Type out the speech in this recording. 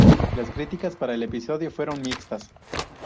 Las críticas para el episodio fueron mixtas.